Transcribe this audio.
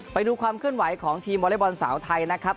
ไปดูความเคลื่อนไหวของทีมวอเล็กบอลสาวไทยนะครับ